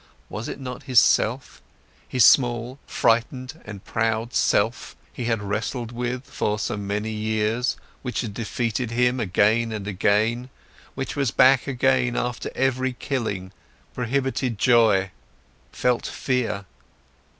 Was this not his self, his small, frightened, and proud self, he had wrestled with for so many years, which had defeated him again and again, which was back again after every killing, prohibited joy, felt fear?